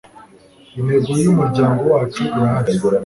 intego y umuryango wacu irahari